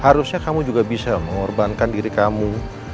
harusnya kamu juga bisa mengorbankan diri kamu